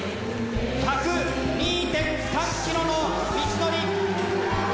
１０２．３キロの道のり。